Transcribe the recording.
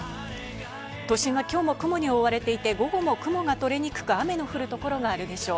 都心はきょうも雲に覆われていて午後も雲が取れにくく、雨の降るところがあるでしょう。